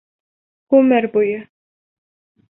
Ғүмер буйы.